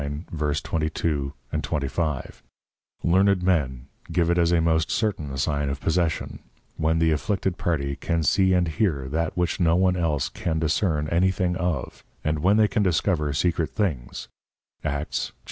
_ Learned Men give it as a most certain sign of Possession, when the afflicted Party can see and hear that which no one else can discern any thing of, and when they can discover secret things, _Acts 6.16.